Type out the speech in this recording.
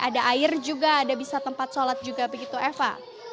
ada air juga ada bisa tempat sholat juga begitu eva